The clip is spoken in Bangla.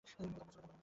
বললাম না চলে যান।